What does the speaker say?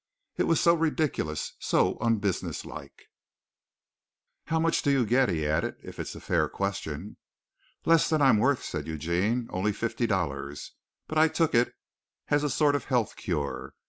It was so ridiculous, so unbusinesslike. "How much do you get?" he added, "if it's a fair question." "Less than I'm worth," said Eugene. "Only fifty dollars. But I took it as a sort of health cure.